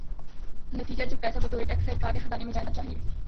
نتیجتا جو پیسہ بطور ٹیکس سرکار کے خزانے میں جانا چاہیے۔